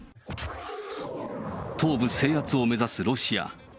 東部制圧を目指すロシア。